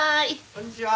こんにちは。